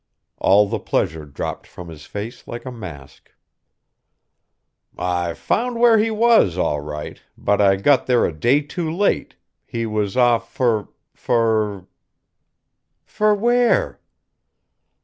All the pleasure dropped from his face like a mask. "I found where he was, all right, but I got there a day too late, he was off fur fur " "For where?"